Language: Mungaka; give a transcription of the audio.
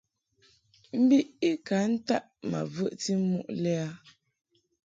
Mbiʼ i ka ntaʼ ma vəʼti muʼ lɛ a.